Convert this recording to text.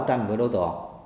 trong khu vực